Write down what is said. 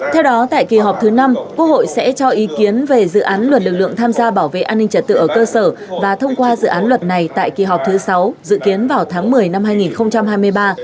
theo đó tại kỳ họp thứ năm quốc hội sẽ cho ý kiến về dự án luật lực lượng tham gia bảo vệ an ninh trật tự ở cơ sở và thông qua dự án luật này tại kỳ họp thứ sáu dự kiến vào tháng một mươi năm hai nghìn hai mươi ba